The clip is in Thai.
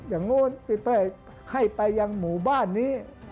อย่างนู้นให้ไปยังหมู่บ้านนี้